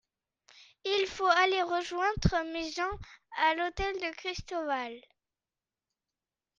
Il faut aller rejoindre mes gens à l’hôtel de Christoval.